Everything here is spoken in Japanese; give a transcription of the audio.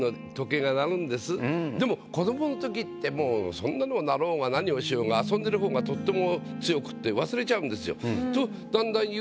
でもそんなのが鳴ろうが何をしようが遊んでる方がとっても強くって忘れちゃうんですよ。